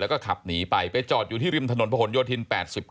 แล้วก็ขับหนีไปไปจอดอยู่ที่ริมถนนพระหลโยธิน๘๙